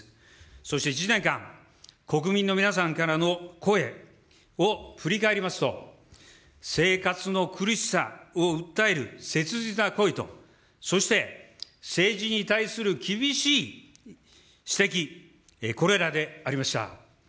そして１年間、国民の皆さんからの声を振り返りますと、生活の苦しさを訴える切実な声と、そして政治に対する厳しい指摘、これらでありました。